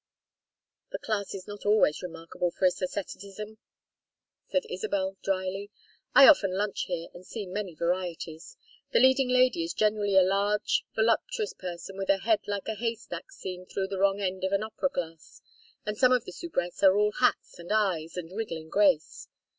"The class is not always remarkable for its asceticism," said Isabel, dryly. "I often lunch here, and see many varieties. The leading lady is generally a large voluptuous person with a head like a hay stack seen through the wrong end of an opera glass, and some of the soubrettes are all hats and eyes and wriggling grace.